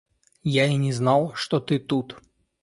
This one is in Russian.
Я и не знал, что ты тут.